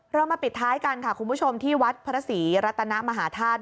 เรามาปิดท้ายกันค่ะคุณผู้ชมที่วัดพระศรีรัตนมหาธาตุ